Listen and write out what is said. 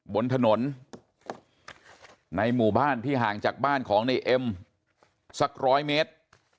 บนถนนในหมู่บ้านที่ห่างจากบ้านของในเอ็มสักร้อยเมตร